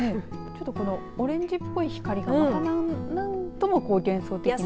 このオレンジっぽい光がまた何とも幻想的な。